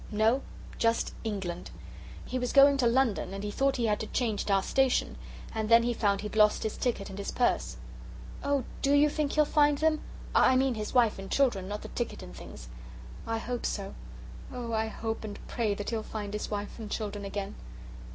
"No; just England. He was going to London, and he thought he had to change at our station, and then he found he'd lost his ticket and his purse." "Oh, DO you think he'll find them? I mean his wife and children, not the ticket and things." "I hope so. Oh, I hope and pray that he'll find his wife and children again."